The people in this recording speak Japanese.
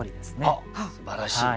あっすばらしい。